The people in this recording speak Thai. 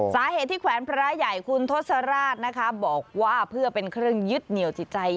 สาเหตุที่แขวนพระใหญ่คุณทศราชนะคะบอกว่าเพื่อเป็นเครื่องยึดเหนียวจิตใจ